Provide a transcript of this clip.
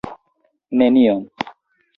Nenion.